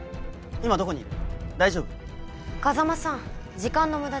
今どこにいる？